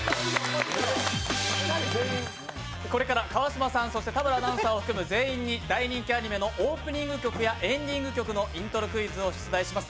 これから川島さん、そして田村アナウンサーを含む全員に大人気アニメのオープニング曲やエンディング曲を出題します。